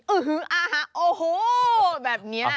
อื๊อฮืออาหารโอ้โฮแบบนี้